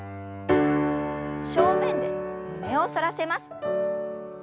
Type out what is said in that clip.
正面で胸を反らせます。